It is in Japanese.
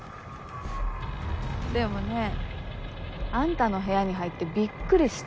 でもねあんたの部屋に入ってびっくりした。